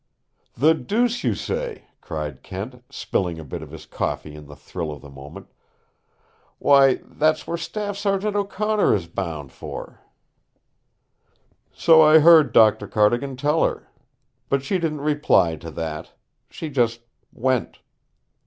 "The deuce you say!" cried Kent, spilling a bit of his coffee in the thrill of the moment. "Why, that's where Staff Sergeant O'Connor is bound for!" "So I heard Doctor Cardigan tell her. But she didn't reply to that. She just went.